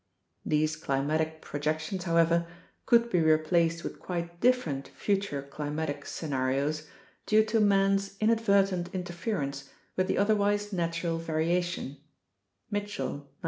These climatic projections, however, could be replaced with quite different future climatic scenarios due to man's inadvertent interference with the otherwise natural variation (Mitchell, 1973a).